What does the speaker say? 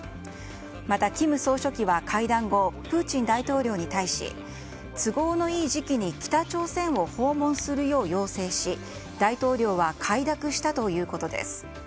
また金総書記は会談後プーチン大統領に対し都合のいい時期に北朝鮮を訪問するよう要請し大統領は快諾したということです。